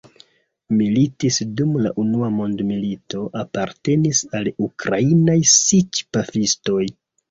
Militis dum la Unua mondmilito, apartenis al Ukrainaj siĉ-pafistoj.